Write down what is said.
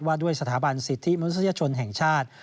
ด้วยสถาบันสิทธิมนุษยชนแห่งชาติ